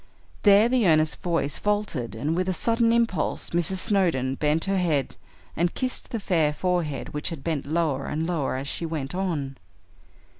There the earnest voice faltered, and with a sudden impulse Mrs. Snowdon bent her head and kissed the fair forehead which had bent lower and lower as she went on.